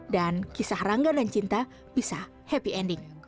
dan kisah rangga dan cinta bisa happy ending